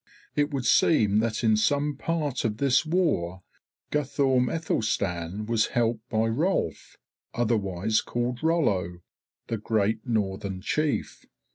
It would seem that in some part of this war Guthorm Aethelstan was helped by Hrolf, otherwise called Rollo, the great Northern chief.